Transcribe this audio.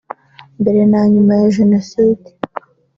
mbere na nyuma ya Jenoside